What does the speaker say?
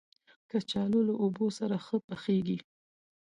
کچالو له اوبو سره ښه پخېږي